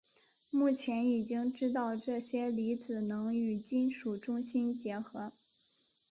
目前已经知道这些离子能与金属中心结合。